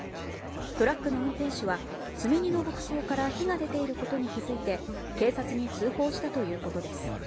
トラックの運転手は積み荷の牧草から火が出ていることに気づいて警察に通報したということです。